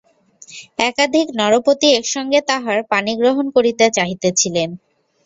একাধিক নরপতি একসঙ্গে তাঁহার পাণিগ্রহণ করিতে চাহিতেছিলেন।